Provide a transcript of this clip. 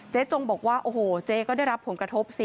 จงบอกว่าโอ้โหเจ๊ก็ได้รับผลกระทบสิ